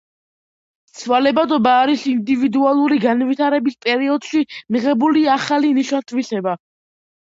ცვალებადობა არის ინდივიდუალური განვითარების პერიოდში მიღებული ახალი ნიშან - თვისება.